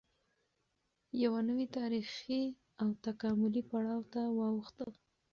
یوه نوې تارېخي او تکاملي پړاو ته واوښته